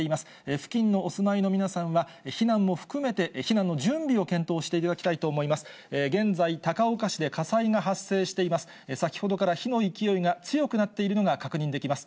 付近にお住いの皆さんは、避難も含めて、避難の準備を検討していただきたいと思います。